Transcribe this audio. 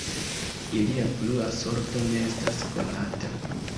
Ilia plua sorto ne estas konata.